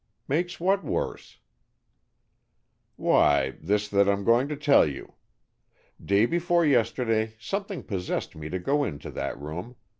"Makes what worse?" "Why, this that I'm going to tell you. Day before yesterday something possessed me to go in to that room.